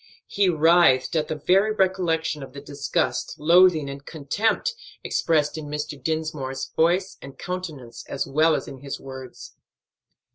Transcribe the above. He writhed at the very recollection of the disgust, loathing, and contempt expressed in Mr. Dinsmore's voice and countenance as well as in his words.